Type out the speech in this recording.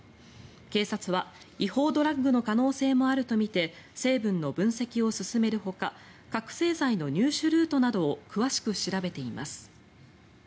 警察は違法ドラッグの可能性もあるとみて成分の分析を進めるほか覚醒剤の入手ルートなどを詳しく調べています。